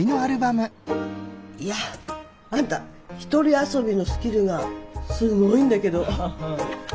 やあんた一人遊びのスキルがすごいんだけど。